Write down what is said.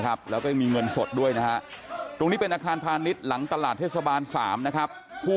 นะครับแล้วก็มีเงินสดด้วยนะฮะตรงนี้เป็นอาคารพลานิศหลังตลาดเทศบาลสามนะครับ